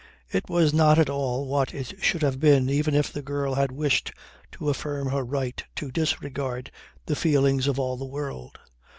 It was not at all what it should have been even if the girl had wished to affirm her right to disregard the feelings of all the world.